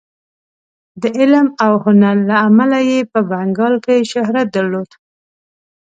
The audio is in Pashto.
د علم او هنر له امله یې په بنګال کې شهرت درلود.